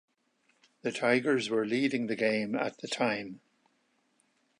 The Tigers were leading the game at the time.